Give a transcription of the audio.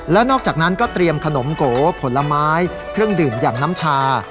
แล้วนอกจากนั้นก็เตรียมขนมโกผลไม้เครื่องดื่มอย่างน้ำชา